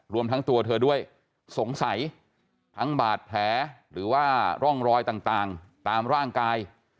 รวมทั้งตัวเธอด้วยสงสัยทั้งบาดแผลหรือว่าร่องรอยต่างตามร่างกาย